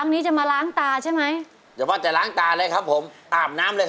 นี่จริงจังสักนั้นเลย